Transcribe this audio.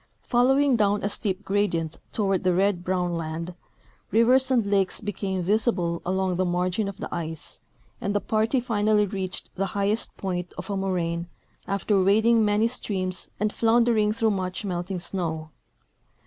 Following down a steep gradient toAvard the red broAvn land, livers and lakes became visible along the margin of the ice, and the party finally reached the highest point of a moraine after wading many streams and floundering through much melting snow.